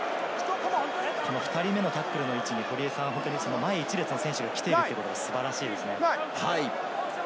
２人目のタックルの位置に堀江さん前１列の選手がきているのが素晴らしいですね。